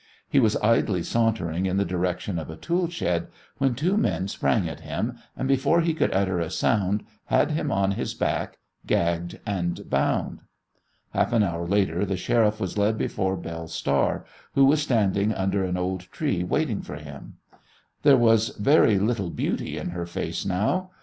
He was idly sauntering in the direction of a tool shed, when two men sprang at him, and before he could utter a sound had him on his back, gagged and bound. Half an hour later the Sheriff was led before Belle Star, who was standing under an old tree waiting for him. There was very little beauty in her face now.